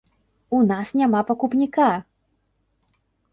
У нас няма пакупніка!